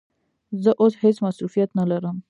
زه اوس هیڅ مصروفیت نه لرم.